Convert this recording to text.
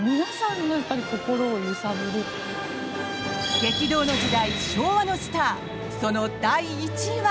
激動の時代、昭和のスターその第１位は？